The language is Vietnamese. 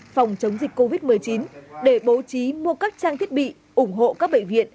phòng chống dịch covid một mươi chín để bố trí mua các trang thiết bị ủng hộ các bệnh viện